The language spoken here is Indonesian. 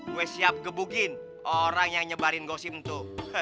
gue siap gebukin orang yang nyebarin gosip itu